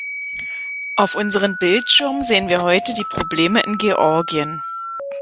Auf unseren Bildschirmen sehen wir heute die Probleme in Georgien.